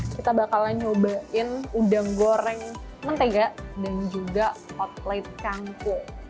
kita bakalan nyobain udang goreng mentega dan juga outlet kangkung